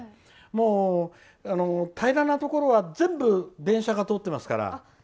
もう平らなところは全部電車が通ってますから。